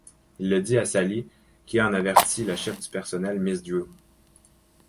Il le dit à Sally, qui en avertit la chef du personnel, Miss Drew.